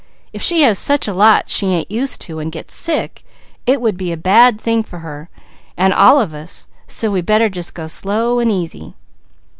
If she has such a lot she ain't used to and gets sick, it will be a bad thing for her, and all of us, so we better just go slow and easy."